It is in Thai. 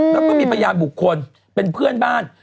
แล้วก็มีพยานบุคคลเป็นเพื่อนบ้าน